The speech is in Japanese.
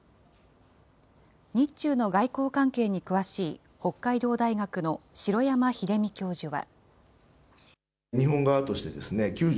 日中の外交関係に詳しい、北海道大学の城山英巳教授は。